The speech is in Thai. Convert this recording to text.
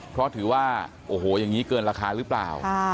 เพราะถือว่าโอ้โหอย่างนี้เกินราคาหรือเปล่า